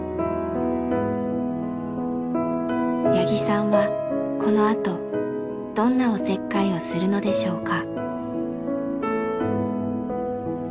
八木さんはこのあとどんなおせっかいをするのでしょうか？